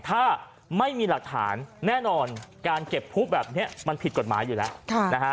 ถ้าไม่มีหลักฐานแน่นอนการเก็บผู้แบบนี้มันผิดกฎหมายอยู่แล้วนะฮะ